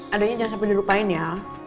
adanya jangan sampai dilupain ya